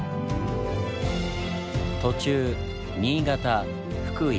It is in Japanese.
途中新潟福井